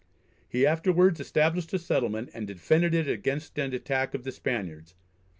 He afterwards established a settlement and defended it against an attack of the Spaniards.